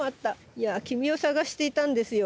いや君を探していたんですよ。